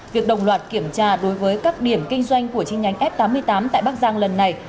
việc đồng loạt kiểm tra đối với các điểm kinh doanh của chi nhánh f tám mươi tám tại bắc giang lần này